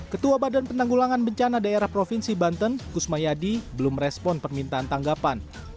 ketua badan penanggulangan bencana daerah provinsi banten kusmayadi belum respon permintaan tanggapan